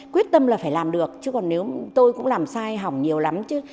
quyết tâm là phải làm được chứ còn nếu tôi cũng làm sai hỏng nhiều lắm chứ